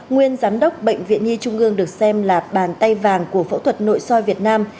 nguyên giám đốc bệnh viện nhi trung ương được xem là bàn tay vàng của phẫu thuật nội soi việt nam